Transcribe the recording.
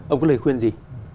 ông có lời khuyên gì